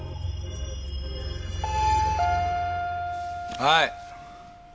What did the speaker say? はい。